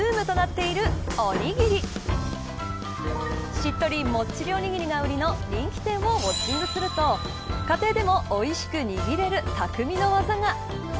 しっとりもっちりおにぎりが売りの人気店をウオッチングすると家庭でも、おいしく握れる匠の技が。